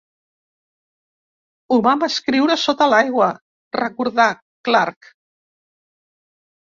"Ho vam escriure sota l'aigua", recordà Clarke.